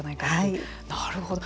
なるほど。